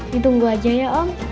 ditunggu aja ya om